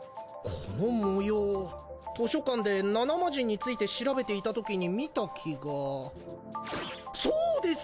この模様図書館で７マジンについて調べていた時に見た気がそうです！